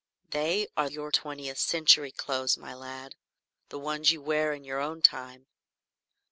"They are your twentieth century clothes, my lad. The ones you wear in your own time.